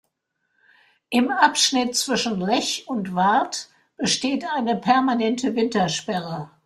Im Abschnitt zwischen Lech und Warth besteht eine permanente Wintersperre.